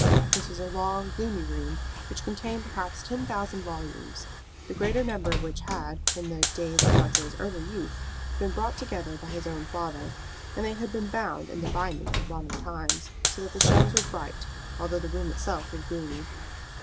This was a long, gloomy room, which contained perhaps ten thousand volumes, the greater number of which had, in the days of Mountjoy's early youth, been brought together by his own father; and they had been bound in the bindings of modern times, so that the shelves were bright, although the room itself was gloomy.